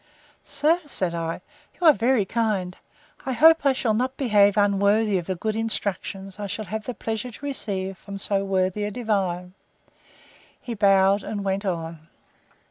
Sir, said I, you are very kind: I hope I shall not behave unworthy of the good instructions I shall have the pleasure to receive from so worthy a divine. He bowed, and went on.